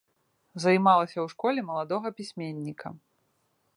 Займалася ў школе маладога пісьменніка.